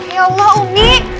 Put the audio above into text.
ya allah umi